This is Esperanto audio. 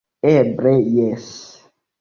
Eble jes.